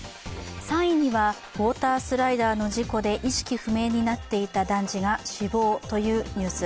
３位には、ウォータースライダーの事故で意識不明になっていた男児が死亡というニュース。